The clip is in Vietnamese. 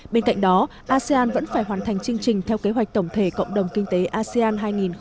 bên cạnh đó asean vẫn phải hoàn thành chương trình theo kế hoạch tổng thể cộng đồng kinh tế asean hai nghìn hai mươi năm